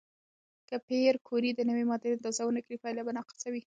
که پېیر کوري د نوې ماده اندازه ونه کړي، پایله به ناقصه وي.